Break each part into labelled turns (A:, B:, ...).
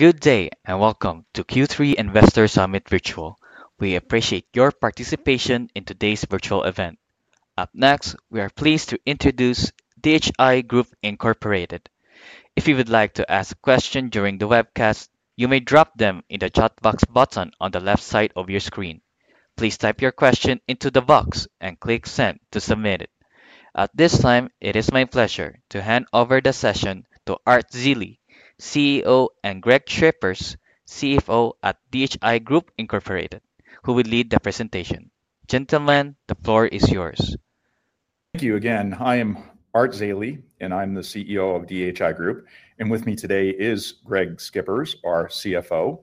A: Good day and welcome to Q3 Investor Summit Virtual. We appreciate your participation in today's virtual event. Up next, we are pleased to introduce DHI Group Inc. If you would like to ask a question during the webcast, you may drop them in the chat box button on the left side of your screen. Please type your question into the box and click "Send" to submit it. At this time, it is my pleasure to hand over the session to Art Zeile, CEO, and Greg Schippers, CFO at DHI Group Inc., who will lead the presentation. Gentlemen, the floor is yours.
B: Thank you again. I am Art Zeile, and I'm the CEO of DHI Group. With me today is Greg Schippers, our CFO.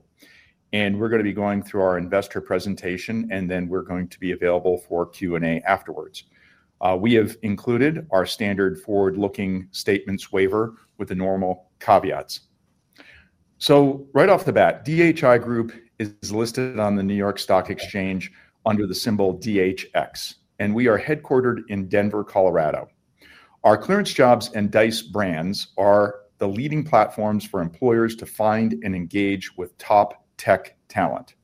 B: We're going to be going through our investor presentation, and then we're going to be available for Q&A afterwards. We have included our standard forward-looking statements waiver with the normal caveats. Right off the bat, DHI Group is listed on the New York Stock Exchange under the symbol DHX, and we are headquartered in Denver, Colorado. Our ClearanceJobs and Dice brands are the leading platforms for employers to find and engage with top tech talent.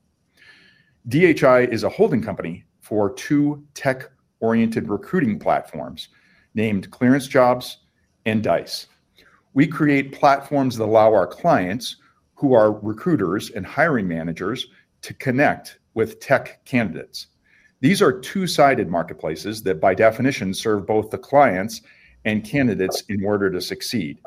B: DHI is a holding company for two tech-oriented recruiting platforms named ClearanceJobs and Dice. We create platforms that allow our clients, who are recruiters and hiring managers, to connect with tech candidates. These are two-sided marketplaces that, by definition, serve both the clients and candidates in order to succeed.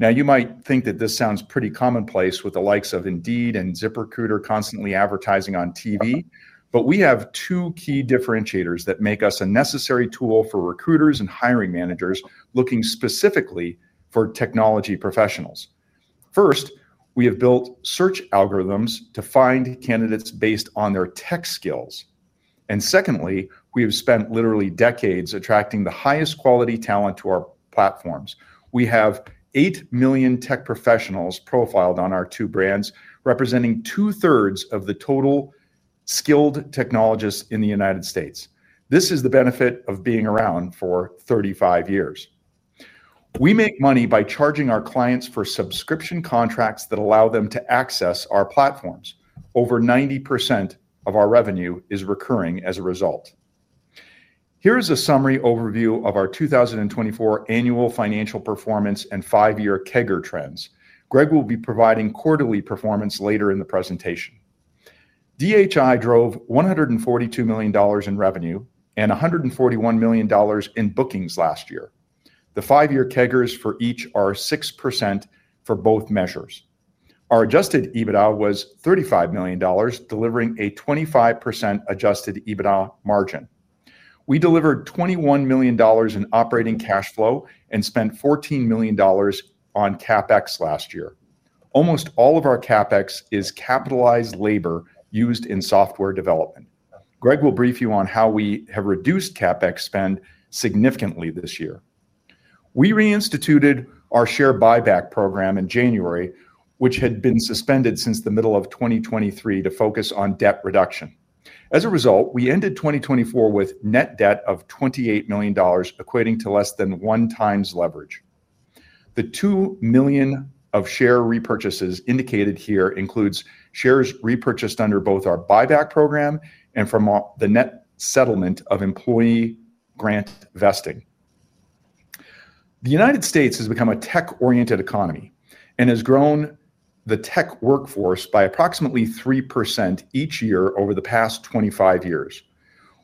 B: You might think that this sounds pretty commonplace with the likes of Indeed and ZipRecruiter constantly advertising on TV, but we have two key differentiators that make us a necessary tool for recruiters and hiring managers looking specifically for technology professionals. First, we have built search algorithms to find candidates based on their tech skills. Secondly, we have spent literally decades attracting the highest quality talent to our platforms. We have 8 million tech professionals profiled on our two brands, representing two-thirds of the total skilled technologists in the U.S. This is the benefit of being around for 35 years. We make money by charging our clients for subscription contracts that allow them to access our platforms. Over 90% of our revenue is recurring as a result. Here is a summary overview of our 2024 annual financial performance and five-year CAGR trends. Greg will be providing quarterly performance later in the presentation. DHI drove $142 million in revenue and $141 million in bookings last year. The five-year CAGR for each are 6% for both measures. Our adjusted EBITDA was $35 million, delivering a 25% adjusted EBITDA margin. We delivered $21 million in operating cash flow and spent $14 million on CapEx last year. Almost all of our CapEx is capitalized labor used in software development. Greg will brief you on how we have reduced CapEx spend significantly this year. We reinstituted our share buyback program in January, which had been suspended since the middle of 2023 to focus on debt reduction. As a result, we ended 2024 with net debt of $28 million, equating to less than one times leverage. The $2 million of share repurchases indicated here include shares repurchased under both our buyback program and from the net settlement of employee grant vesting. The U.S. has become a tech-oriented economy and has grown the tech workforce by approximately 3% each year over the past 25 years.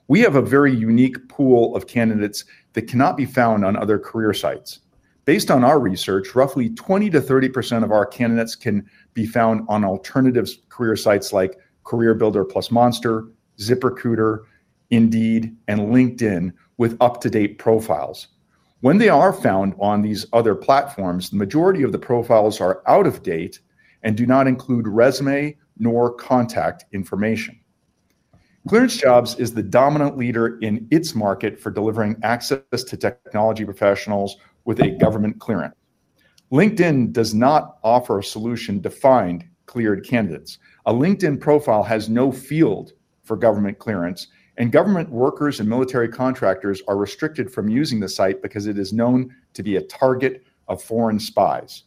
B: We have a very unique pool of candidates that cannot be found on other career sites. Based on our research, roughly 20% to 30% of our candidates can be found on alternative career sites like CareerBuilder plus Monster, ZipRecruiter, Indeed, and LinkedIn with up-to-date profiles. When they are found on these other platforms, the majority of the profiles are out of date and do not include resume nor contact information. ClearanceJobs is the dominant leader in its market for delivering access to technology professionals with a government clearance. LinkedIn does not offer a solution to find cleared candidates. A LinkedIn profile has no field for government clearance, and government workers and military contractors are restricted from using the site because it is known to be a target of foreign spies.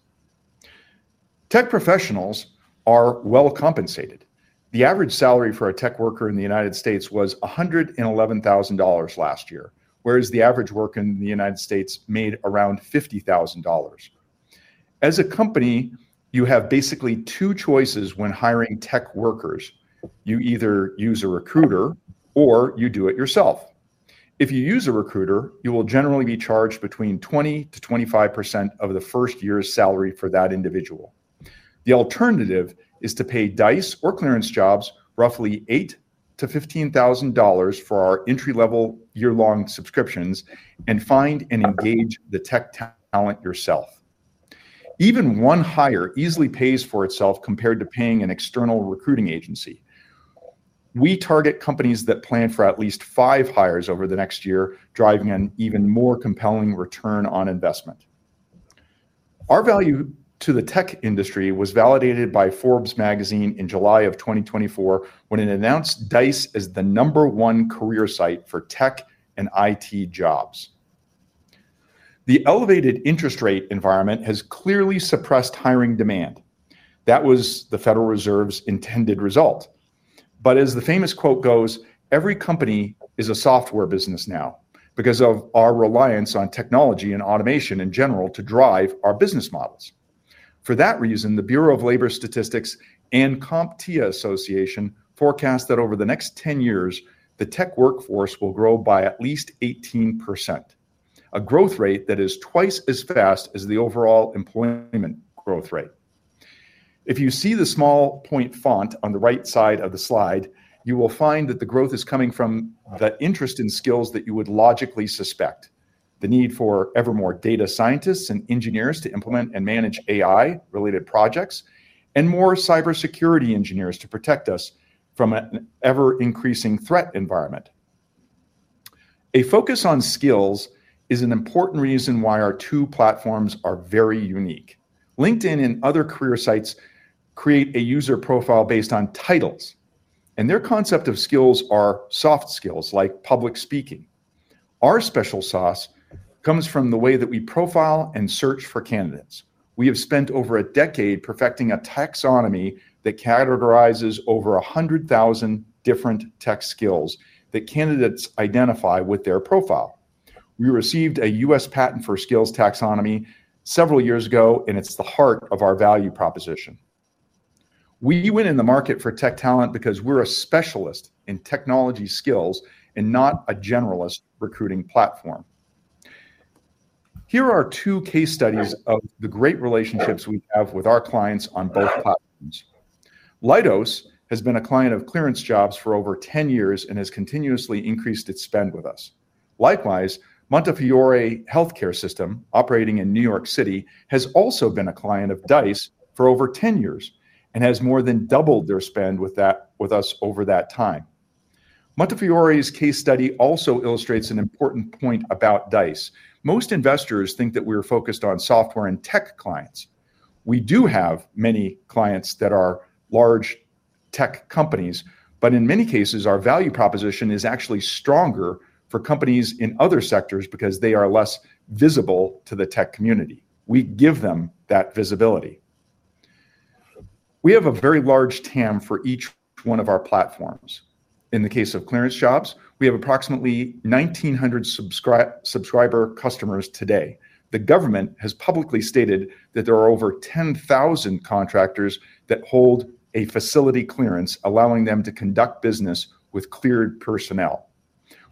B: Tech professionals are well compensated. The average salary for a tech worker in the U.S. was $111,000 last year, whereas the average worker in the U.S. made around $50,000. As a company, you have basically two choices when hiring tech workers. You either use a recruiter or you do it yourself. If you use a recruiter, you will generally be charged between 20% to 25% of the first year's salary for that individual. The alternative is to pay Dice or ClearanceJobs roughly $8,000 to $15,000 for our entry-level year-long subscriptions and find and engage the tech talent yourself. Even one hire easily pays for itself compared to paying an external recruiting agency. We target companies that plan for at least five hires over the next year, driving an even more compelling return on investment. Our value to the tech industry was validated by Forbes magazine in July of 2024 when it announced Dice as the number one career site for tech and IT jobs. The elevated interest rate environment has clearly suppressed hiring demand. That was the Federal Reserve's intended result. As the famous quote goes, every company is a software business now because of our reliance on technology and automation in general to drive our business models. For that reason, the U.S. Bureau of Labor Statistics and CompTIA Association forecast that over the next 10 years, the tech workforce will grow by at least 18%, a growth rate that is twice as fast as the overall employment growth rate. If you see the small point font on the right side of the slide, you will find that the growth is coming from the interest in skills that you would logically suspect, the need for ever more data scientists and engineers to implement and manage AI-related projects, and more cybersecurity engineers to protect us from an ever-increasing threat environment. A focus on skills is an important reason why our two platforms are very unique. LinkedIn and other career sites create a user profile based on titles, and their concept of skills are soft skills like public speaking. Our special sauce comes from the way that we profile and search for candidates. We have spent over a decade perfecting a taxonomy that categorizes over 100,000 different tech skills that candidates identify with their profile. We received a U.S. patent for skills taxonomy several years ago, and it's the heart of our value proposition. We win in the market for tech talent because we're a specialist in technology skills and not a generalist recruiting platform. Here are two case studies of the great relationships we have with our clients on both platforms. Leidos has been a client of ClearanceJobs for over 10 years and has continuously increased its spend with us. Likewise, Montefiore Healthcare System operating in New York City has also been a client of Dice for over 10 years and has more than doubled their spend with us over that time. Montefiore's case study also illustrates an important point about Dice. Most investors think that we are focused on software and tech clients. We do have many clients that are large tech companies, but in many cases, our value proposition is actually stronger for companies in other sectors because they are less visible to the tech community. We give them that visibility. We have a very large TAM for each one of our platforms. In the case of ClearanceJobs, we have approximately 1,900 subscriber customers today. The government has publicly stated that there are over 10,000 contractors that hold a facility clearance, allowing them to conduct business with cleared personnel.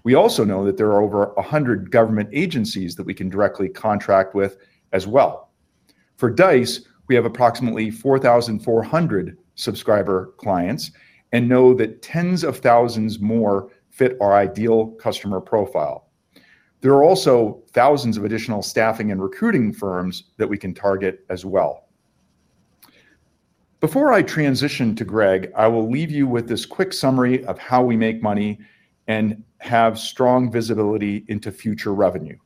B: We also know that there are over 100 government agencies that we can directly contract with as well. For Dice, we have approximately 4,400 subscriber clients and know that tens of thousands more fit our ideal customer profile. There are also thousands of additional staffing and recruiting firms that we can target as well. Before I transition to Greg, I will leave you with this quick summary of how we make money and have strong visibility into future revenue.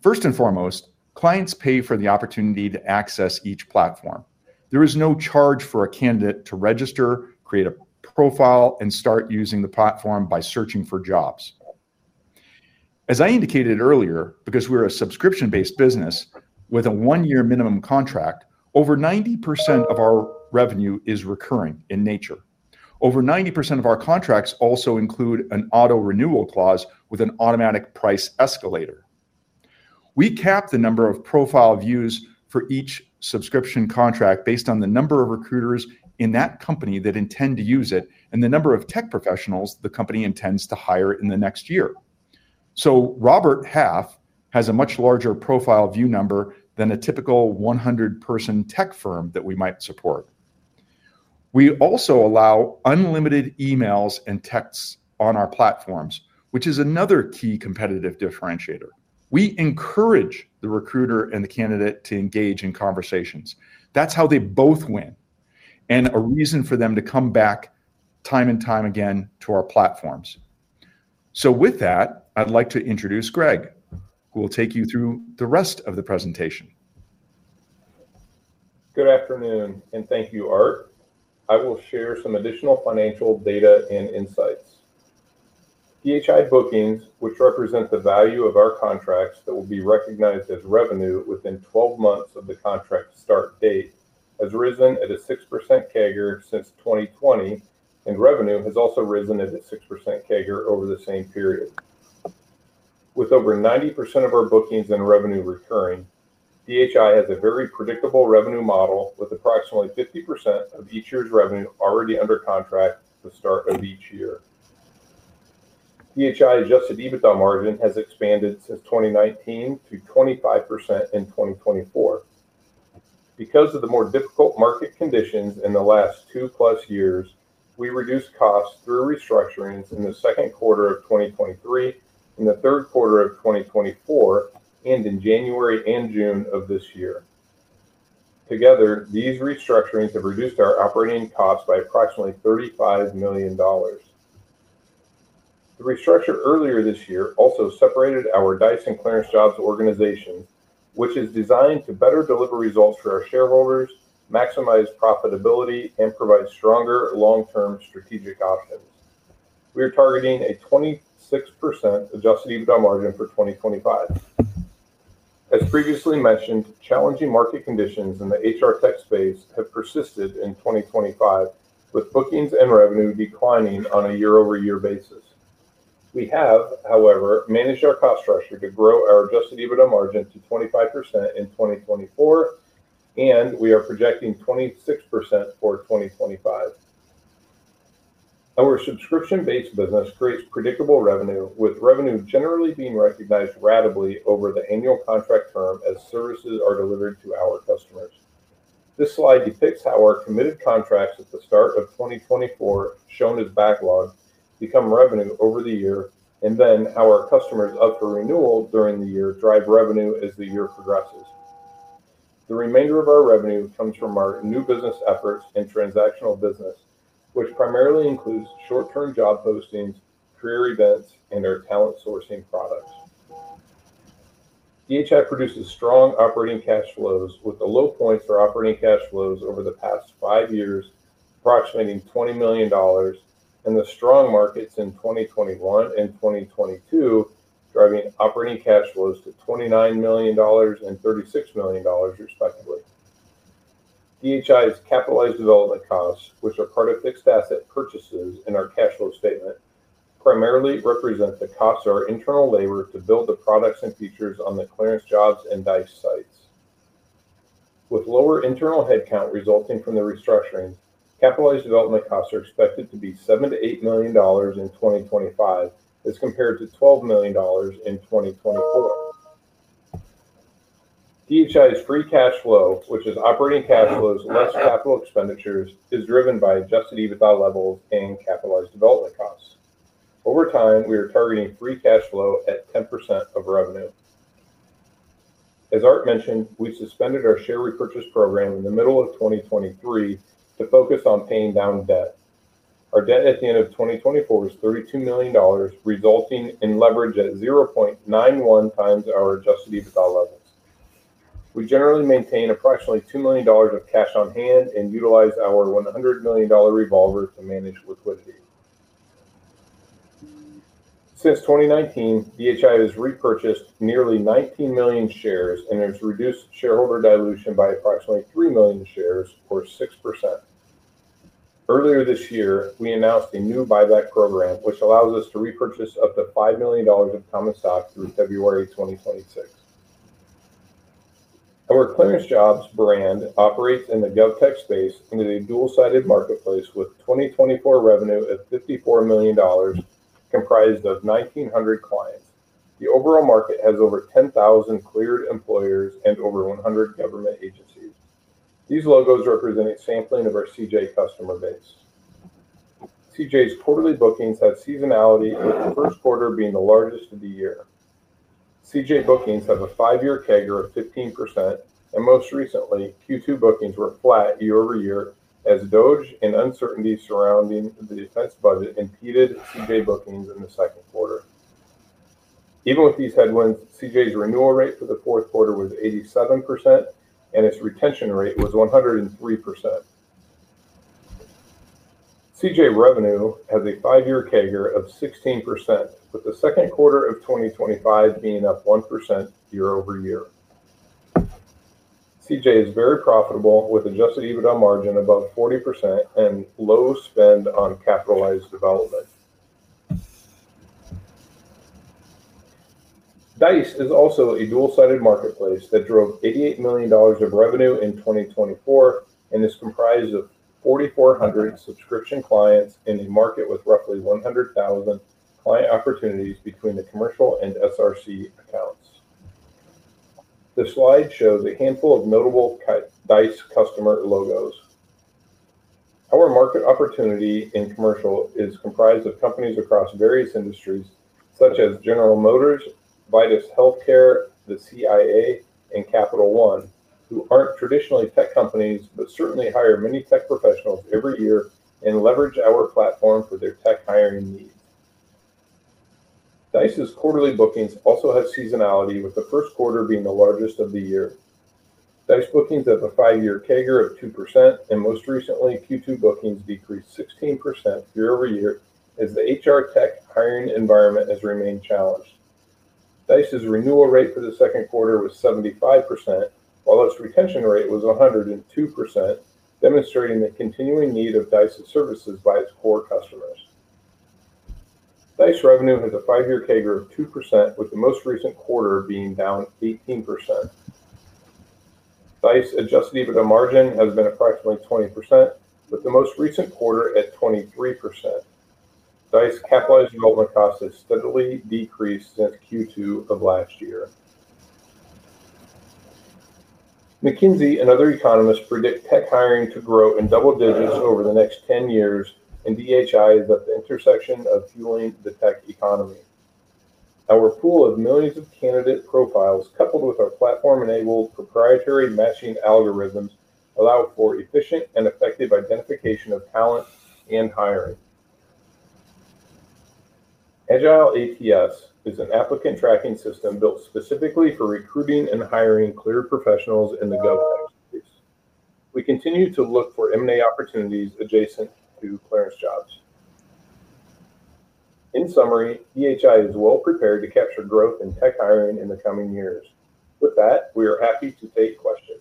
B: First and foremost, clients pay for the opportunity to access each platform. There is no charge for a candidate to register, create a profile, and start using the platform by searching for jobs. As I indicated earlier, because we are a subscription-based business with a one-year minimum contract, over 90% of our revenue is recurring in nature. Over 90% of our contracts also include an auto-renewal clause with an automatic price escalator. We cap the number of profile views for each subscription contract based on the number of recruiters in that company that intend to use it and the number of tech professionals the company intends to hire in the next year. Robert Half has a much larger profile view number than a typical 100-person tech firm that we might support. We also allow unlimited emails and texts on our platforms, which is another key competitive differentiator. We encourage the recruiter and the candidate to engage in conversations. That's how they both win, and a reason for them to come back time and time again to our platforms. With that, I'd like to introduce Greg, who will take you through the rest of the presentation.
C: Good afternoon, and thank you, Art. I will share some additional financial data and insights. DHI bookings, which represent the value of our contracts that will be recognized as revenue within 12 months of the contract start date, has risen at a 6% CAGR since 2020, and revenue has also risen at a 6% CAGR over the same period. With over 90% of our bookings and revenue recurring, DHI has a very predictable revenue model with approximately 50% of each year's revenue already under contract at the start of each year. DHI adjusted EBITDA margin has expanded since 2019 to 25% in 2024. Because of the more difficult market conditions in the last two plus years, we reduced costs through restructurings in the second quarter of 2023, in the third quarter of 2024, and in January and June of this year. Together, these restructurings have reduced our operating costs by approximately $35 million. The restructure earlier this year also separated our Dice and ClearanceJobs organization, which is designed to better deliver results for our shareholders, maximize profitability, and provide stronger long-term strategic options. We are targeting a 26% adjusted EBITDA margin for 2025. As previously mentioned, challenging market conditions in the HR tech space have persisted in 2025, with bookings and revenue declining on a year-over-year basis. We have, however, managed our cost structure to grow our adjusted EBITDA margin to 25% in 2024, and we are projecting 26% for 2025. Our subscription-based business creates predictable revenue, with revenue generally being recognized ratably over the annual contract term as services are delivered to our customers. This slide depicts how our committed contracts at the start of 2024, shown in the backlog, become revenue over the year, and then how our customers up for renewal during the year drive revenue as the year progresses. The remainder of our revenue comes from our new business efforts and transactional business, which primarily includes short-term job postings, career events, and our talent sourcing products. DHI produces strong operating cash flows with the low points for operating cash flows over the past five years, approximating $20 million, and the strong markets in 2021 and 2022 driving operating cash flows to $29 million and $36 million, respectively. DHI's capitalized development costs, which are part of fixed asset purchases in our cash flow statement, primarily represent the costs of our internal labor to build the products and features on the ClearanceJobs and Dice sites. With lower internal headcount resulting from the restructuring, capitalized development costs are expected to be $7 to $8 million in 2025 as compared to $12 million in 2024. DHI's free cash flow, which is operating cash flows, less capital expenditures, is driven by adjusted EBITDA levels and capitalized development costs. Over time, we are targeting free cash flow at 10% of revenue. As Art mentioned, we suspended our share repurchase program in the middle of 2023 to focus on paying down debt. Our debt at the end of 2024 was $32 million, resulting in leverage at 0.91 times our adjusted EBITDA levels. We generally maintain approximately $2 million of cash on hand and utilize our $100 million revolver to manage liquidity. Since 2019, DHI has repurchased nearly 19 million shares and has reduced shareholder dilution by approximately 3 million shares, or 6%. Earlier this year, we announced a new buyback program, which allows us to repurchase up to $5 million of common stock through February 2026. Our ClearanceJobs brand operates in the govtech space in a dual-sided marketplace with 2024 revenue of $54 million, comprised of 1,900 clients. The overall market has over 10,000 cleared employers and over 100 government agencies. These logos represent a sampling of our CJ customer base. CJ's quarterly bookings have seasonality, with the first quarter being the largest of the year. CJ bookings have a five-year CAGR of 15%, and most recently, Q2 bookings were flat year over year as DOGE and uncertainty surrounding the defense budget impeded CJ bookings in the second quarter. Even with these headwinds, CJ's renewal rate for the fourth quarter was 87%, and its retention rate was 103%. CJ revenue has a five-year CAGR of 16%, with the second quarter of 2025 being up 1% year over year. CJ is very profitable with adjusted EBITDA margin above 40% and low spend on capitalized development. Dice is also a dual-sided marketplace that drove $88 million of revenue in 2024 and is comprised of 4,400 subscription clients in a market with roughly 100,000 client opportunities between the commercial and SRC accounts. The slide shows a handful of notable Dice customer logos. Our market opportunity in commercial is comprised of companies across various industries such as General Motors, Vitus Healthcare, the CIA, and Capital One, who aren't traditionally tech companies but certainly hire many tech professionals every year and leverage our platform for their tech hiring needs. Dice's quarterly bookings also have seasonality, with the first quarter being the largest of the year. Dice bookings have a five-year CAGR of 2%, and most recently, Q2 bookings decreased 16% year over year as the HR tech hiring environment has remained challenged. Dice's renewal rate for the second quarter was 75%, while its retention rate was 102%, demonstrating the continuing need of Dice's services by its core customers. Dice revenue has a five-year CAGR of 2%, with the most recent quarter being down 18%. Dice's adjusted EBITDA margin has been approximately 20%, with the most recent quarter at 23%. Dice's capitalized development costs have steadily decreased since Q2 of last year. McKinsey and other economists predict tech hiring to grow in double digits over the next 10 years, and DHI Group Inc. is at the intersection of fueling the tech economy. Our pool of millions of candidate profiles, coupled with our platform-enabled proprietary matching algorithms, allow for efficient and effective identification of talent and hiring. Agile ATS is an applicant tracking system built specifically for recruiting and hiring cleared professionals in the govtech space. We continue to look for M&A opportunities adjacent to ClearanceJobs. In summary, DHI Group Inc. is well prepared to capture growth in tech hiring in the coming years. With that, we are happy to take questions.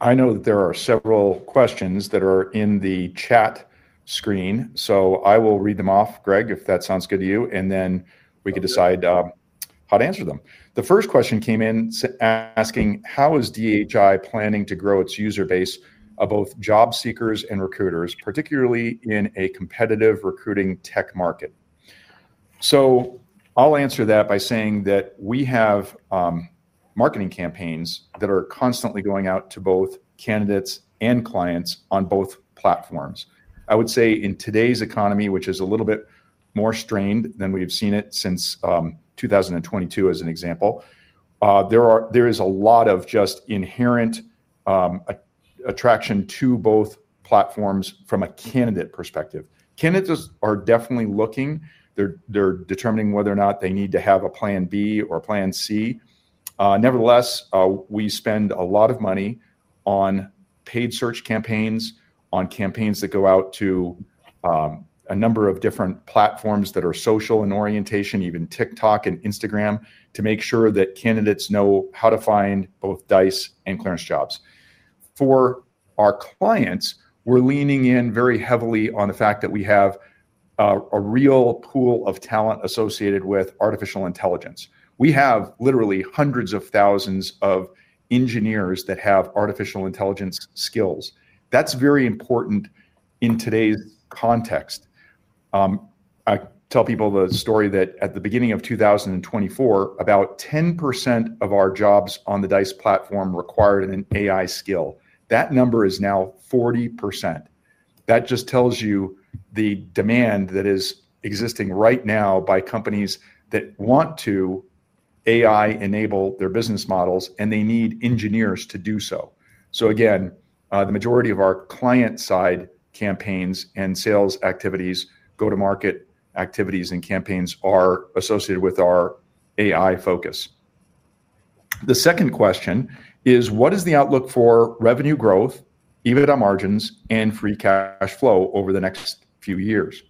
B: I know that there are several questions that are in the chat screen, so I will read them off, Greg, if that sounds good to you, and then we could decide how to answer them. The first question came in asking, how is DHI Group Inc. planning to grow its user base of both job seekers and recruiters, particularly in a competitive recruiting tech market? I will answer that by saying that we have marketing campaigns that are constantly going out to both candidates and clients on both platforms. I would say in today's economy, which is a little bit more strained than we've seen it since 2022 as an example, there is a lot of just inherent attraction to both platforms from a candidate perspective. Candidates are definitely looking. They're determining whether or not they need to have a plan B or a plan C. Nevertheless, we spend a lot of money on paid search campaigns, on campaigns that go out to a number of different platforms that are social in orientation, even TikTok and Instagram, to make sure that candidates know how to find both Dice and ClearanceJobs. For our clients, we're leaning in very heavily on the fact that we have a real pool of talent associated with artificial intelligence. We have literally hundreds of thousands of engineers that have artificial intelligence skills. That's very important in today's context. I tell people the story that at the beginning of 2024, about 10% of our jobs on the Dice platform required an AI skill. That number is now 40%. That just tells you the demand that is existing right now by companies that want to AI-enable their business models, and they need engineers to do so. Again, the majority of our client-side campaigns and sales activities, go-to-market activities, and campaigns are associated with our AI focus. The second question is, what is the outlook for revenue growth, EBITDA margins, and free cash flow over the next few years?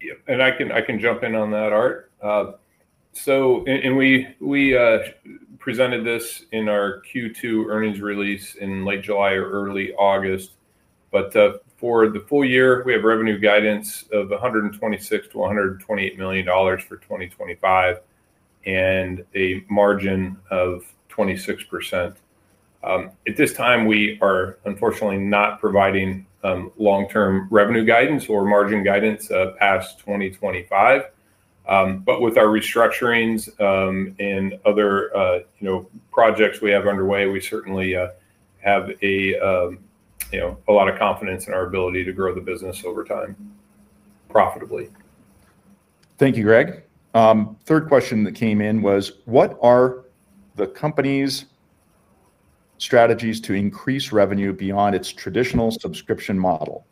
C: Yeah, I can jump in on that, Art. We presented this in our Q2 earnings release in late July or early August. For the full year, we have revenue guidance of $126 to $128 million for 2025 and a margin of 26%. At this time, we are unfortunately not providing long-term revenue guidance or margin guidance past 2025. With our restructurings and other projects we have underway, we certainly have a lot of confidence in our ability to grow the business over time profitably.
B: Thank you, Greg. Third question that came in was, what are the company's strategies to increase revenue beyond its traditional subscription model,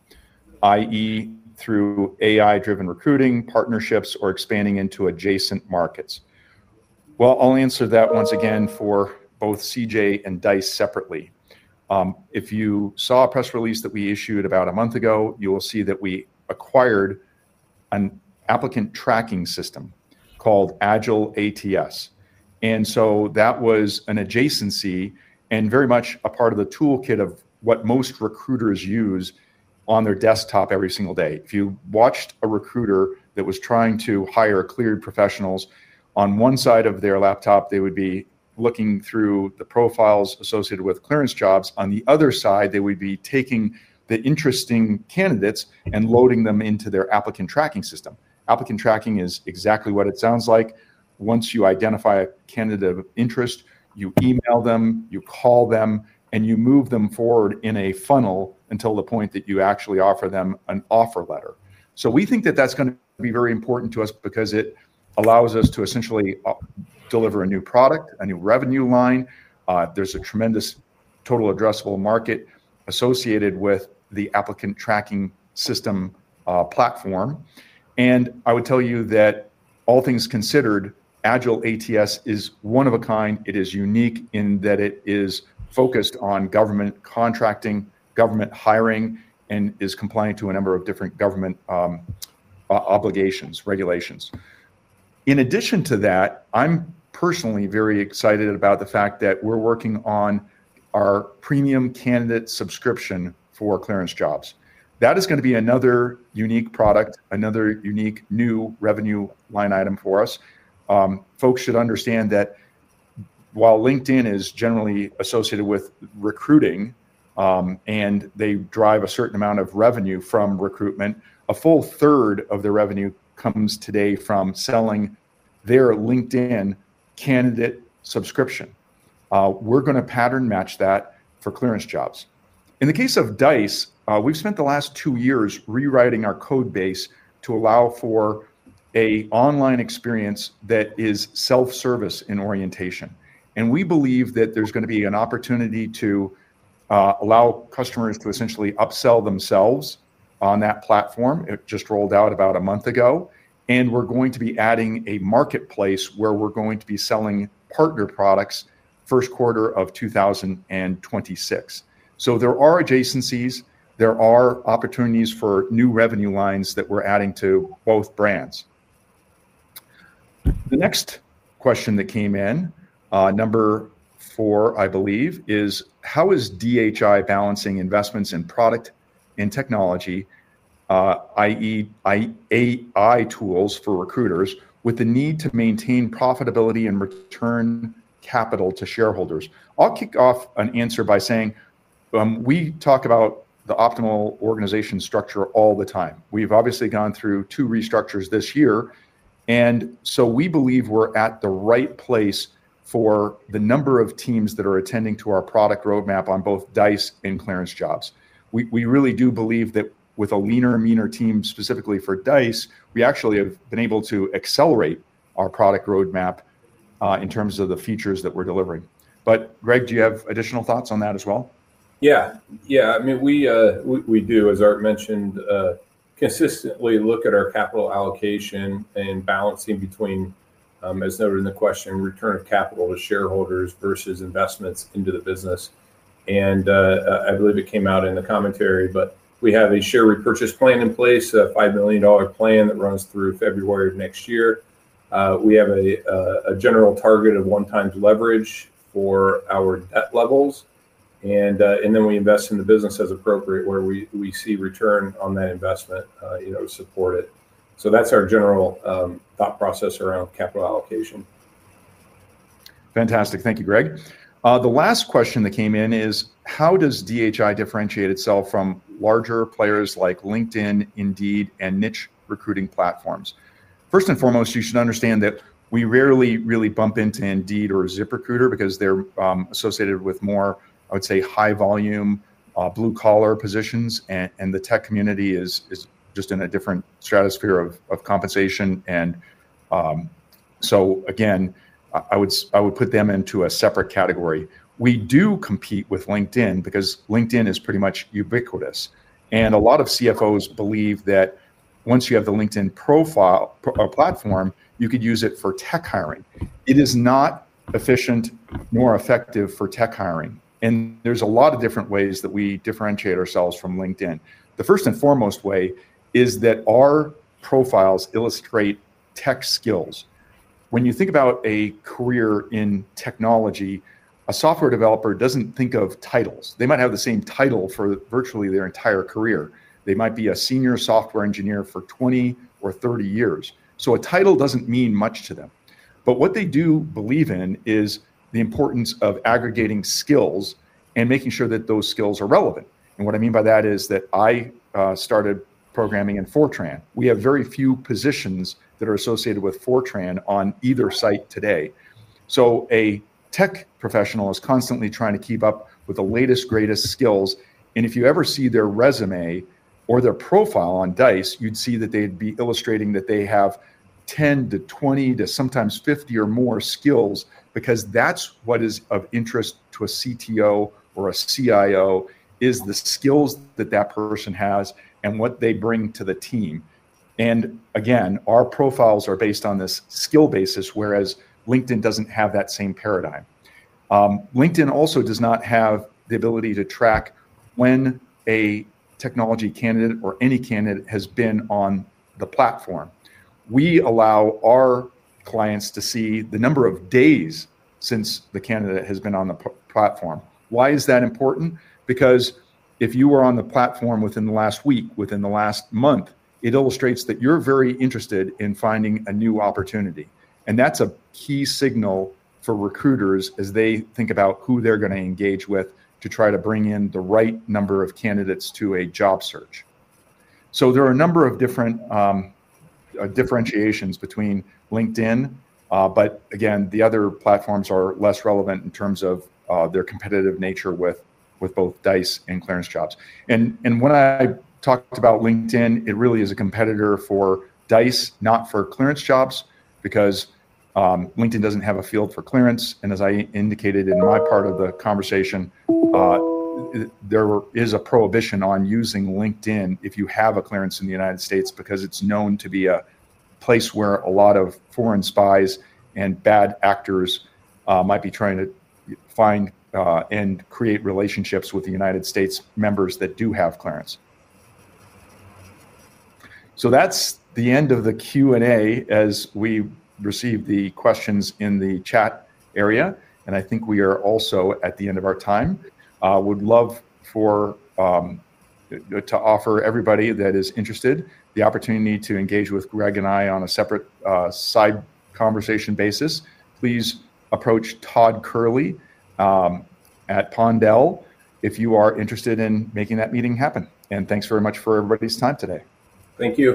B: i.e., through AI-driven recruiting, partnerships, or expanding into adjacent markets? I'll answer that once again for both ClearanceJobs and Dice separately. If you saw a press release that we issued about a month ago, you will see that we acquired an applicant tracking system called Agile ATS. That was an adjacency and very much a part of the toolkit of what most recruiters use on their desktop every single day. If you watched a recruiter that was trying to hire cleared professionals, on one side of their laptop, they would be looking through the profiles associated with ClearanceJobs. On the other side, they would be taking the interesting candidates and loading them into their applicant tracking system. Applicant tracking is exactly what it sounds like. Once you identify a candidate of interest, you email them, you call them, and you move them forward in a funnel until the point that you actually offer them an offer letter. We think that that's going to be very important to us because it allows us to essentially deliver a new product, a new revenue line. There's a tremendous total addressable market associated with the applicant tracking system platform. I would tell you that all things considered, Agile ATS is one of a kind. It is unique in that it is focused on government contracting, government hiring, and is compliant to a number of different government obligations, regulations. In addition to that, I'm personally very excited about the fact that we're working on our premium candidate subscription for ClearanceJobs. That is going to be another unique product, another unique new revenue line item for us. Folks should understand that while LinkedIn is generally associated with recruiting and they drive a certain amount of revenue from recruitment, a full third of their revenue comes today from selling their LinkedIn candidate subscription. We're going to pattern match that for ClearanceJobs. In the case of Dice, we've spent the last two years rewriting our code base to allow for an online experience that is self-service in orientation. We believe that there's going to be an opportunity to allow customers to essentially upsell themselves on that platform. It just rolled out about a month ago. We're going to be adding a marketplace where we're going to be selling partner products first quarter of 2026. There are adjacencies. There are opportunities for new revenue lines that we're adding to both brands. The next question that came in, number four, I believe, is how is DHI Group Inc. balancing investments in product and technology, i.e., AI tools for recruiters, with the need to maintain profitability and return capital to shareholders? I'll kick off an answer by saying we talk about the optimal organization structure all the time. We've obviously gone through two restructures this year, and we believe we're at the right place for the number of teams that are attending to our product roadmap on both Dice and ClearanceJobs. We really do believe that with a leaner and meaner team specifically for Dice, we actually have been able to accelerate our product roadmap in terms of the features that we're delivering. Greg, do you have additional thoughts on that as well?
C: Yeah, yeah. I mean, we do, as Art mentioned, consistently look at our capital allocation and balancing between, as noted in the question, return of capital to shareholders versus investments into the business. I believe it came out in the commentary, but we have a share repurchase plan in place, a $5 million plan that runs through February of next year. We have a general target of one-time leverage for our debt levels, and we invest in the business as appropriate where we see return on that investment, you know, to support it. That's our general thought process around capital allocation.
B: Fantastic. Thank you, Greg. The last question that came in is how does DHI differentiate itself from larger players like LinkedIn, Indeed, and niche recruiting platforms? First and foremost, you should understand that we rarely really bump into Indeed or ZipRecruiter because they're associated with more, I would say, high-volume blue-collar positions, and the tech community is just in a different stratosphere of compensation. I would put them into a separate category. We do compete with LinkedIn because LinkedIn is pretty much ubiquitous, and a lot of CFOs believe that once you have the LinkedIn profile platform, you could use it for tech hiring. It is not efficient, more effective for tech hiring. There are a lot of different ways that we differentiate ourselves from LinkedIn. The first and foremost way is that our profiles illustrate tech skills. When you think about a career in technology, a software developer doesn't think of titles. They might have the same title for virtually their entire career. They might be a Senior Software Engineer for 20 or 30 years. A title doesn't mean much to them. What they do believe in is the importance of aggregating skills and making sure that those skills are relevant. What I mean by that is that I started programming in Fortran. We have very few positions that are associated with Fortran on either site today. A tech professional is constantly trying to keep up with the latest, greatest skills. If you ever see their resume or their profile on Dice, you'd see that they'd be illustrating that they have 10 to 20 to sometimes 50 or more skills because that is what is of interest to a CTO or a CIO, the skills that that person has and what they bring to the team. Our profiles are based on this skill basis, whereas LinkedIn doesn't have that same paradigm. LinkedIn also does not have the ability to track when a technology candidate or any candidate has been on the platform. We allow our clients to see the number of days since the candidate has been on the platform. Why is that important? If you were on the platform within the last week, within the last month, it illustrates that you're very interested in finding a new opportunity. That is a key signal for recruiters as they think about who they're going to engage with to try to bring in the right number of candidates to a job search. There are a number of different differentiations between LinkedIn, but again, the other platforms are less relevant in terms of their competitive nature with both Dice and ClearanceJobs. When I talked about LinkedIn, it really is a competitor for Dice, not for ClearanceJobs, because LinkedIn doesn't have a field for clearance. As I indicated in my part of the conversation, there is a prohibition on using LinkedIn if you have a clearance in the U.S. because it's known to be a place where a lot of foreign spies and bad actors might be trying to find and create relationships with the U.S. members that do have clearance. That's the end of the Q&A as we receive the questions in the chat area, and I think we are also at the end of our time. I would love to offer everybody that is interested the opportunity to engage with Greg and I on a separate side conversation basis. Please approach Todd Kehrli at Pondell if you are interested in making that meeting happen. Thanks very much for everybody's time today.
C: Thank you.